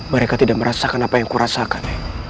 mereka tidak merasakan apa yang kurasakan